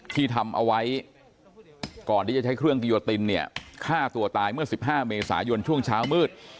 ที่ทำเอาไว้ก่อนที่จะใช้เครื่องกิโยตินเนี่ยฆ่าตัวตายเมื่อ๑๕เมษายนช่วงเช้ามืด